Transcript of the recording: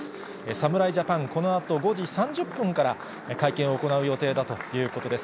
侍ジャパン、このあと５時３０分から、会見を行う予定だということです。